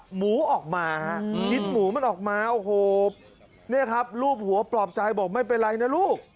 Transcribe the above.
หมูออกมาฮะคิดหมูมันออกมาโอ้โหเนี่ยครับรูปหัวปลอบใจบอกไม่เป็นไรนะลูก